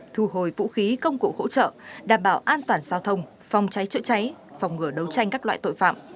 thu hồi vũ khí công cụ hỗ trợ đảm bảo an toàn giao thông phòng cháy chữa cháy phòng ngừa đấu tranh các loại tội phạm